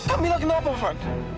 kamila kenapa fad